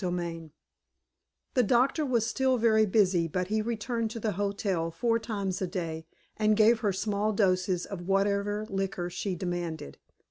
XXX The doctor was still very busy but he returned to the hotel four times a day and gave her small doses of whatever liquor she demanded.